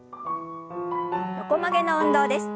横曲げの運動です。